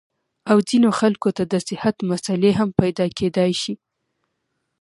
او ځينې خلکو ته د صحت مسئلې هم پېدا کېدے شي -